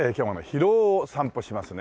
広尾を散歩しますね。